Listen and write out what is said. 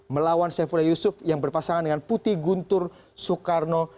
melawan saifullah yusuf yang berpasangan dengan putih guntur soekarno